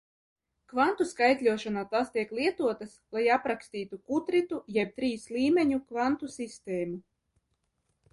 Kvantu skaitļošanā tās tiek lietotas, lai aprakstītu kutritu jeb trīs līmeņu kvantu sistēmu.